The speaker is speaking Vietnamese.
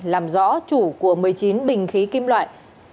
làm rõ chủ của một mươi chín bình khí kim loại